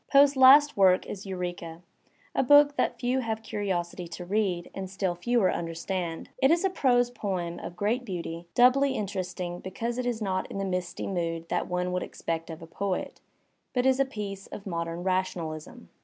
Poe's last work is "Eureka," a book that few have curiosity to read, and still fewer understand. It is a prose poem of Digitized by Google 152 THE SPIRIT OP AMERICAN LITERATURE great beauty, doubly interesting because it is not in the misty mood that one would expect of a poet, but is a piece of modem rationalism.